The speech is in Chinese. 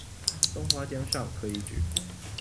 松花江上可以指：